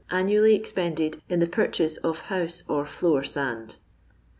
annually expended in the pur chase of house or floor sand.